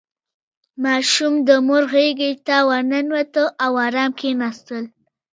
• ماشوم د مور غېږې ته ننوت او آرام کښېناست.